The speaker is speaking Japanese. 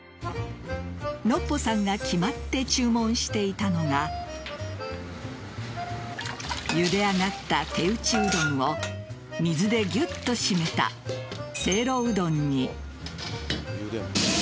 ノッポさんが決まって注文していたのがゆで上がった手打ちうどんを水でギュッと締めたせいろうどんに。